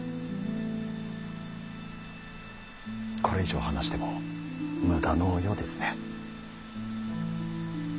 これ以上話しても無駄のようですね。